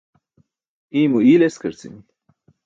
Iymo iyl eskarci̇mi̇.